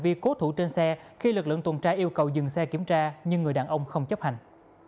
vì cố thủ trên xe khi lực lượng tuần tra yêu cầu dừng xe kiểm tra nhưng người đàn ông không chấp hành